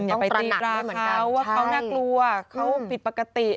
ต้องตีตราเขาว่าเขาน่ากลัวเขาผิดปกติ